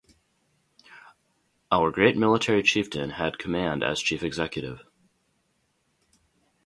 Our great military chieftain had command as chief executive.